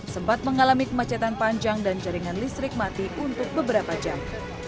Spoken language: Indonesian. sempat mengalami kemacetan panjang dan jaringan listrik mati untuk beberapa jam